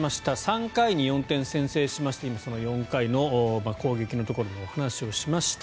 ３回に４点先制しまして今、その４回の攻撃のところのお話をしました。